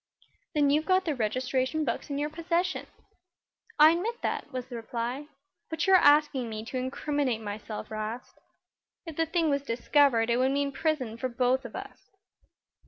"Then you've got the registration books in your possession." "I admit that," was the reply. "But you're asking me to incriminate myself, 'Rast. If the thing was discovered it would mean prison for both of us."